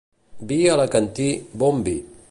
Vi alacantí, bon vi.